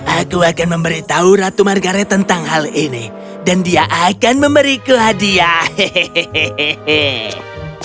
aku akan memberitahu ratu margaret tentang hal ini dan dia akan memberi ke hadiah